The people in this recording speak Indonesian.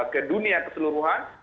ke dunia keseluruhan